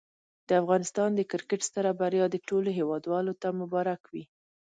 د افغانستان د کرکټ ستره بریا دي ټولو هېوادوالو ته مبارک وي.